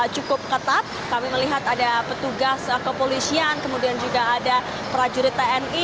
cukup ketat kami melihat ada petugas kepolisian kemudian juga ada prajurit tni